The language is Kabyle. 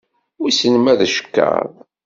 Wissen ma d acekkeṛ?